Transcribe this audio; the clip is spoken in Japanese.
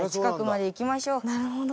なるほど。